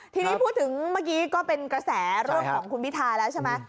ทีนี้พูดถึงเมื่อกี้ก็เป็นกระแสเรื่องของคุณพิทาแล้วใช่ไหม